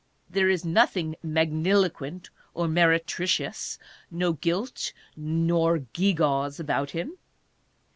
There is nothing magniloquent or meretricious, no gilt nor gewgaws about him.